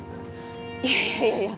いやいやいやいや。